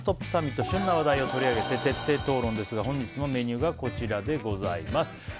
サミット旬な話題を取り上げて徹底討論ですが本日のメニューがこちらです。